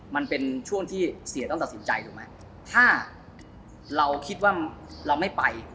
มันเป็นช่วงที่เสียต้องตัดสินใจถูกไหมถ้าเราคิดว่าเราไม่ไป